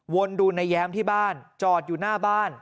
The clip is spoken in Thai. ดูนายแย้มที่บ้านจอดอยู่หน้าบ้าน